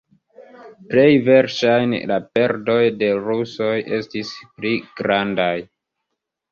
Plej verŝajne la perdoj de rusoj estis pli grandaj.